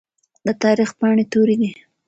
د تاريخ پاڼې تورې دي.